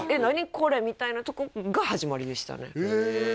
これみたいなとこが始まりでしたねえ！